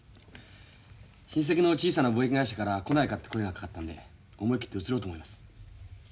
親戚の小さな貿易会社から来ないかって声がかかったんで思い切って移ろうと思います。